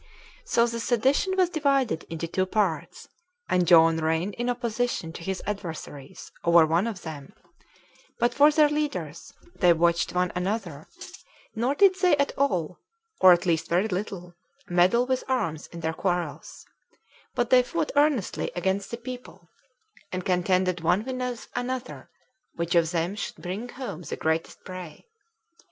So the sedition was divided into two parts, and John reigned in opposition to his adversaries over one of them: but for their leaders, they watched one another, nor did they at all, or at least very little, meddle with arms in their quarrels; but they fought earnestly against the people, and contended one with another which of them should bring home the greatest prey.